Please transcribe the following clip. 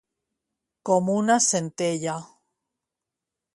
Com una centella.